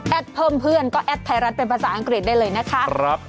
เพิ่มเพื่อนก็แอดไทยรัฐเป็นภาษาอังกฤษได้เลยนะคะ